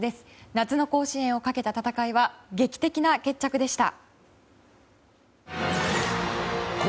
夏の甲子園をかけた戦いは劇的な決着でした。